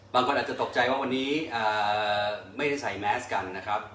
บางคนอาจจะตกใจว่าวันนี้ไม่ได้ใส่แมสกันนะครับ